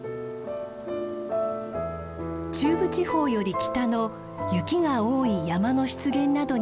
中部地方より北の雪が多い山の湿原などに分布する植物です。